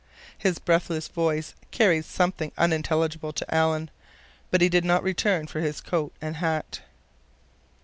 His breathless voice carried something unintelligible to Alan. But he did not return for his coat and hat.